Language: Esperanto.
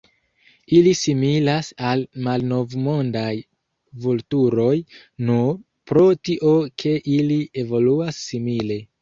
Ili similas al Malnovmondaj vulturoj nur pro tio ke ili evoluas simile.